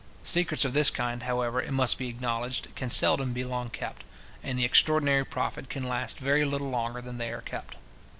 Secrets of this kind, however, it must be acknowledged, can seldom be long kept; and the extraordinary profit can last very little longer than they are kept.